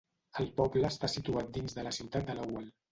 El poble està situat dins de la ciutat de Lowell.